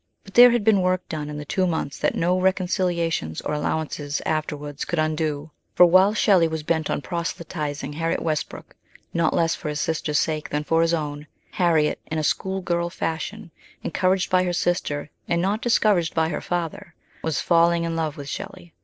But there had been work done in the two months that no reconciliations or allow ances afterwards could undo ; for while Shelley was bent on proselytising Harriet Westbrook, not less for his sisters' sake than for his own, Harriet, in a school girl fashion, encouraged by her sister and not discouraged by her father, was falling in love with Shelley.